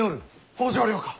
北条領か！？